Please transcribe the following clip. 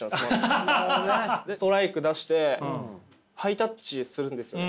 ストライク出してハイタッチするんですよ。